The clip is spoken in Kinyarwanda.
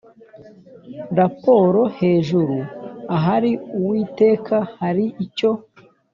Raporo hejuru. Ahari Uwiteka hari icyo